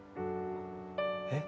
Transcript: えっ？